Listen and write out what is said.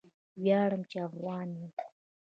ویاړم چې افغان یم!